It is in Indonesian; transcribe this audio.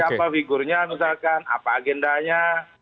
siapa figurnya misalkan apa agendanya